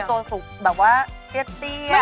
คุณสวัสดี